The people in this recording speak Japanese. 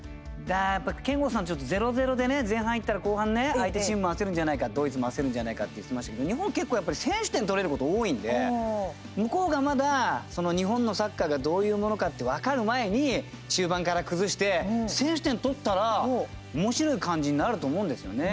やっぱ憲剛さん０対０でね前半いったら後半相手チーム焦るんじゃないかドイツも焦るんじゃないかって言ってましたけど日本、先取点取れること多いんで向こうが、まだ日本のサッカーがどういうものかって分かる前に中盤から崩して先取点取ったらおもしろい感じになると思うんですよね。